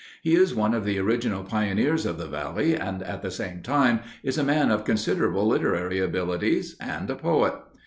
He is one of the original pioneers of the Valley, and at the same time is a man of considerable literary abilities, and a poet.